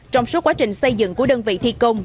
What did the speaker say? trong suốt quá trình xây dựng của đơn vị thi công